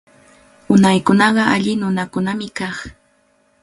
Unaykunaqa alli nunakunami kaq.